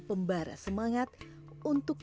pembara semangat untuk